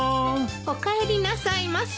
おかえりなさいませ。